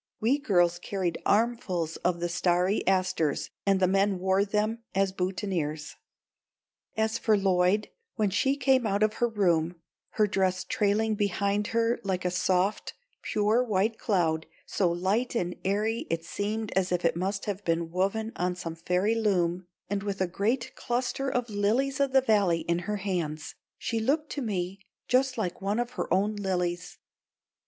We girls carried armfuls of the starry asters and the men wore them as boutonnières. [Illustration: "'SHE LOOKED TO ME JUST LIKE ONE OF HER OWN LILIES.'"] As for Lloyd, when she came out of her room, her dress trailing behind her like a soft, pure white cloud, so light and airy it seemed as if it must have been woven on some fairy loom, and with a great cluster of lilies of the valley in her hands, she looked to me just like one of her own lilies.